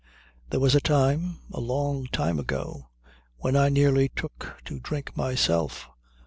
"There was a time, a long time ago, when I nearly took to drink myself.